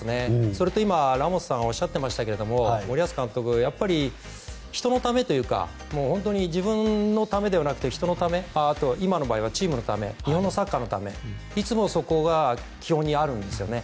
それと今、ラモスさんがおっしゃっていましたけど森保監督、やっぱり人のためというか本当に自分のためではなくて人のため今の場合はチームのため日本のサッカーのためいつもそこが基本にあるんですよね。